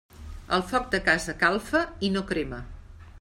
El foc de casa calfa i no crema.